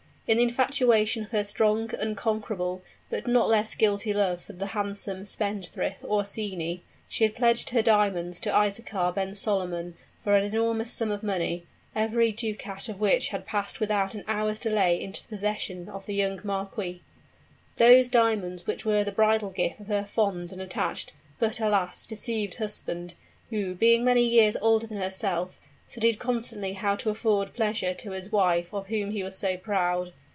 In the infatuation of her strong, unconquerable, but not less guilty love for the handsome spendthrift Orsini, she had pledged her diamonds to Isaachar ben Solomon for an enormous sum of money, every ducat of which had passed without an hour's delay into the possession of the young marquis. Those diamonds were the bridal gift of her fond and attached, but, alas! deceived husband, who, being many years older than herself, studied constantly how to afford pleasure to the wife of whom he was so proud.